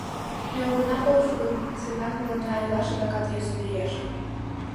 Ме огына полшо гын, нуным сеҥат, мыланна илаш адакат йӧсӧ лиеш.